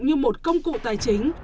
như một công cụ tài chính